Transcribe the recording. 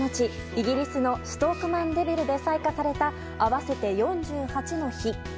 イギリスのストーク・マンデビルで採火された合わせて４８の火。